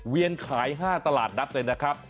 เวียนขาย๕ตลาดดัดไปนะคะ